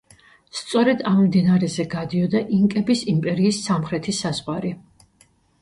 სწორედ ამ მდინარეზე გადიოდა ინკების იმპერიის სამხრეთი საზღვარი.